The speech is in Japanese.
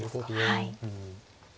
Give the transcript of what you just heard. はい。